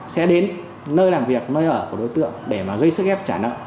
sẽ đến nơi làm việc nơi ở của đối tượng để gây sức ép